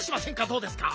どうですか？